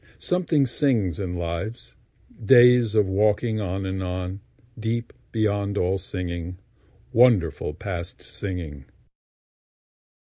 Something sings in lives—Days of walking on and on, Deep beyond all singing, Wonderful past singing.